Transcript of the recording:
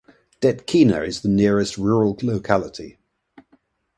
Detkina is the nearest rural locality.